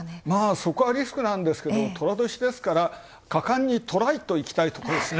そこがリスクなんですが、寅年ですから、果敢にトライといきたいとこですね。